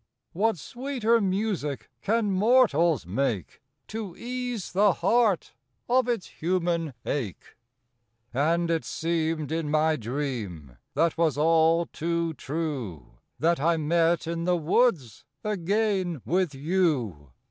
_ What sweeter music can mortals make To ease the heart of its human ache! And it seemed in my dream, that was all too true, That I met in the woods again with you.